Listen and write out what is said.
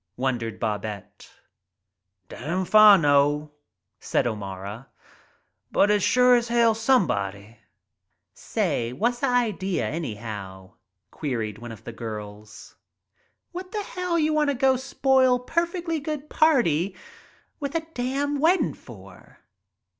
wondered Babette. "Damfino," said O'Mara. "But it's sure's hell WHISKEY FUMES 65 "Say, whassa idea, anyhow?" queried one of the girls. "What th' hell you wanta go an* spoil per f e'tly good party with a damn weddin' for